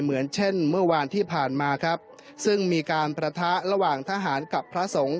เหมือนเช่นเมื่อวานที่ผ่านมาครับซึ่งมีการประทะระหว่างทหารกับพระสงฆ์